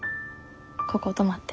ここ泊まって。